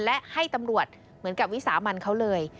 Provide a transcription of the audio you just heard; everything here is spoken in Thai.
และให้ตำรวจเหมือนกับวิสามันเขาเลย